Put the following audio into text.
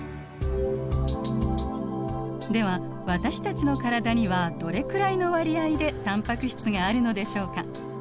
では私たちの体にはどれくらいの割合でタンパク質があるのでしょうか？